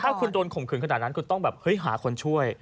ถ้าคุณโดนข่มขืนขนาดนั้นคุณต้องแบบเฮ้ยหาคนช่วย